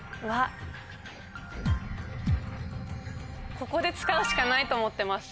ここで使うしかないと思ってます。